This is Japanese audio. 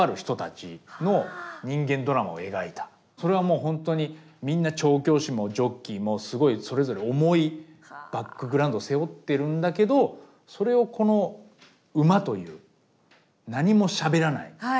それはもうほんとにみんな調教師もジョッキーもすごいそれぞれ重いバックグラウンド背負ってるんだけどそれをこの馬という何もしゃべらない